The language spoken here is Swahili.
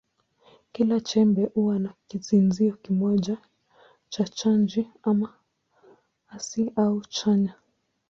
Kila chembe huwa na kizio kimoja cha chaji, ama hasi au chanya.